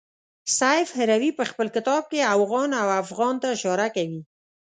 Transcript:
سیف هروي په خپل کتاب کې اوغان او افغان ته اشاره کوي.